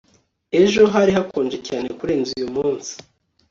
ejo hari hakonje cyane kurenza uyumunsi